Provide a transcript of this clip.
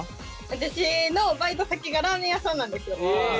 私のバイト先がラーメン屋さんなんですよ。